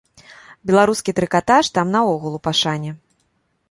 Беларускі трыкатаж там наогул у пашане.